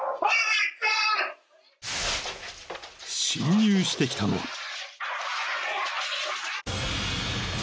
［侵入してきたのは］